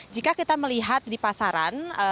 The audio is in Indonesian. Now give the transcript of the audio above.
jika kita melihat di pasaran